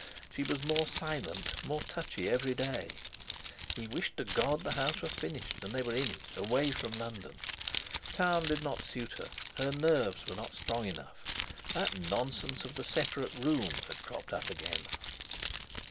She was more silent, more touchy, every day. He wished to God the house were finished, and they were in it, away from London. Town did not suit her; her nerves were not strong enough. That nonsense of the separate room had cropped up again!